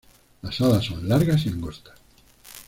Las alas son largas y angostas.